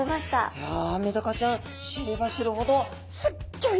いやメダカちゃん知れば知るほどすっギョい